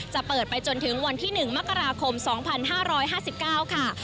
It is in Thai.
จะเปิดไปจนถึงวันที่๑มกราคม๒๕๕๙ค่ะ